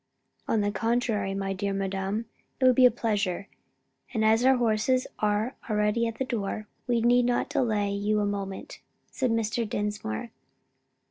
"On the contrary, my dear madam, it would be a pleasure; and as our horses are already at the door, we need not delay you a moment," said Mr. Dinsmore.